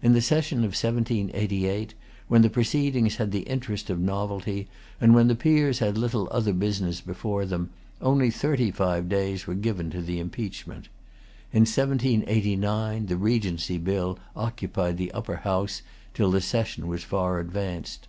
In the session of 1788, when the proceedings had the interest of novelty, and when the Peers had little other business before them, only thirty five days were given to the impeachment. In 1789 the Regency Bill occupied the Upper House till the session was far advanced.